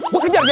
gue kejar dia